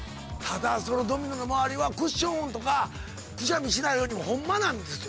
ただそのドミノの周りはクッションとかくしゃみしないようにホンマなんですよ。